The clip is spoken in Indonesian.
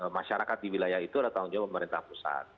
secara kaki wilayah itu adalah tanggung jawab pemerintah pusat